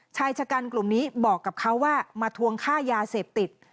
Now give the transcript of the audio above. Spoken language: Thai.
ชายชะกันกลุ่มนี้บอกกับเขาว่ามาทวงค่ายาเสพติด